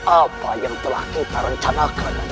apa yang telah kita rencanakan danda prabu